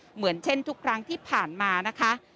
เหมือนเช่นทุกครั้งที่ผ่านมานะคะ